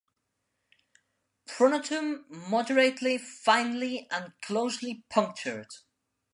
Pronotum moderately finely and closely punctured.